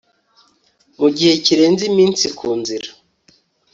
mu gihe kirenze iminsi ku nzira